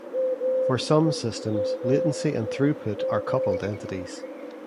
For some systems, latency and throughput are coupled entities.